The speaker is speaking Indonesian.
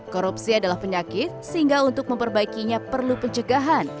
korupsi adalah penyakit sehingga untuk memperbaikinya perlu pencegahan